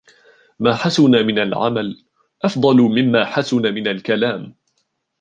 ما حسن من العمل أفضل من ما حسن من الكلام.